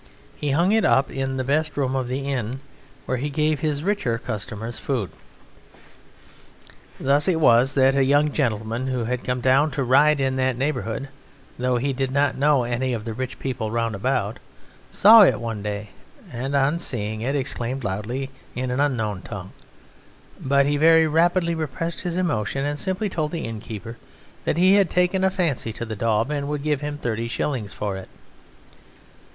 He hung it up in the best room of the inn, where he gave his richer customers food. Thus it was that a young gentleman who had come down to ride in that neighbourhood, although he did not know any of the rich people round about, saw it one day, and on seeing it exclaimed loudly in an unknown tongue; but he very rapidly repressed his emotion and simply told the innkeeper that he had taken a fancy to the daub and would give him thirty shillings for it.